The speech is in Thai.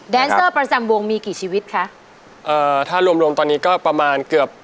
เซอร์ประจำวงมีกี่ชีวิตคะเอ่อถ้ารวมรวมตอนนี้ก็ประมาณเกือบ